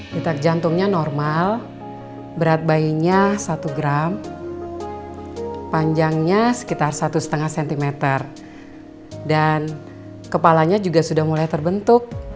letak jantungnya normal berat bayinya satu gram panjangnya sekitar satu lima cm dan kepalanya juga sudah mulai terbentuk